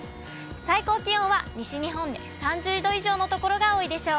最高気温は西日本で３０度以上の所が多いでしょう。